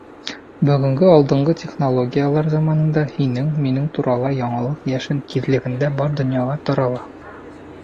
Бөгөнгө алдынғы технологиялар заманында һинең, минең турала яңылыҡ йәшен тиҙлегендә бар донъяға тарала.